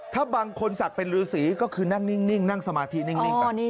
ถ้าบางคนศักดิ์เป็นฤษีก็คือนั่งนิ่งนั่งสมาธินิ่ง